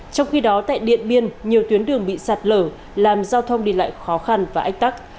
trong khi đó tại điện biên nhiều tuyến đường bị sạt lở làm giao thông đi lại khó khăn và ách tắc